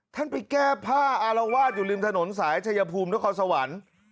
ไปแก้ผ้าอารวาสอยู่ริมถนนสายชายภูมินครสวรรค์